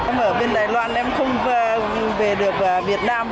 em ở bên đài loan em không về được việt nam